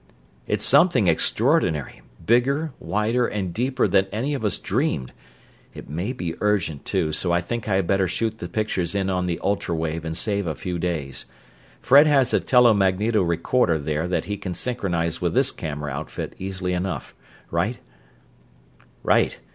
"It's something extraordinary bigger, wider, and deeper than any of us dreamed. It may be urgent, too, so I think I had better shoot the pictures in on the ultra wave and save a few days. Fred has a telemagneto recorder there that he can synchronize with this camera outfit easily enough. Right?" "Right.